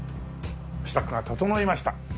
支度が整いました。